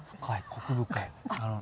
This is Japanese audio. コク深い。